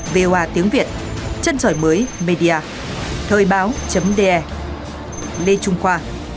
voa tiếng việt trân tròi mới media thời báo de lê trung khoa